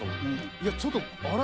いやちょっとあれ